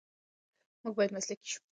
موږ باید مسلکي شو.